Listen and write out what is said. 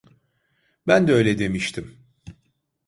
Ben de öyle demiştim.